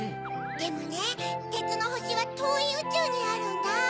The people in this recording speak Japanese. でもねてつのほしはとおいうちゅうにあるんだ。